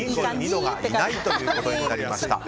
２２度はいないということになりました。